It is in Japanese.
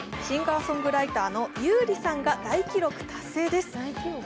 シンガーソングライターの優里さんが大記録達成です。